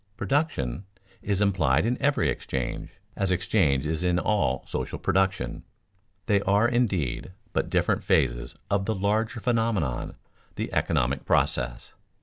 Production is implied in every exchange, as exchange is in all social production. They are, indeed, but different phases of the larger phenomenon, the economic process.